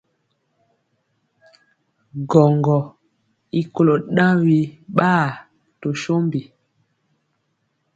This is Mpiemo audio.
Gwɔŋgɔ i kolo ɗaŋ biɓaa to sombi.